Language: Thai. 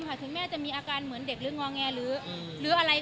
ไม่ได้กังวลหว่าจะมีอาการเด็กหรือนงอแงลื้อหรืออะไร